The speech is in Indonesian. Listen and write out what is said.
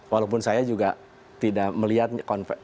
walaupun saya juga tidak melihat